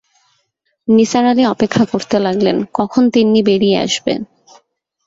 নিসার আলি অপেক্ষা করতে লাগলেন, কখন তিন্নি বেরিয়ে আসবে।